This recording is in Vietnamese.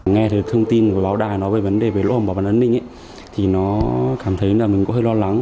nghe thông tin của báo đài nói về vấn đề về lỗ hổng bảo mật ấn ninh thì nó cảm thấy là mình cũng hơi lo lắng